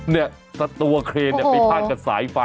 เนี่ยสัตว์เครนไปผ่านกับสายไฟ